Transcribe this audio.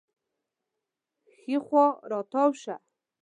ښي خوا راتاو شه